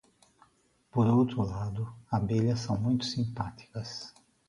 Por outro lado, abelhas são muito simpáticas.